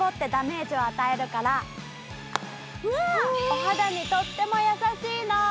お肌にとっても優しいの。